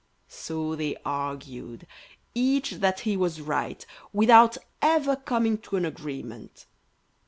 So they argued, each that he was right, without ever coming to an agreement.